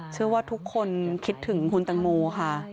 เชื่อว่าทุกคนคิดถึงคุณตังโมค่ะ